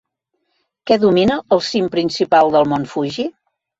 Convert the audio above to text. Què domina el cim principal del mont Fuji?